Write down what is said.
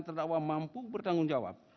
terdakwa mampu bertanggungjawab